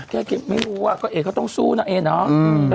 แก้เกมไม่รู้เอ๊ะก็ต้องสู้นะเอ๊ะ